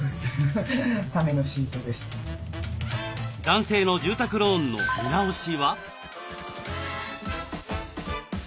男性の住宅ローンの見直しは？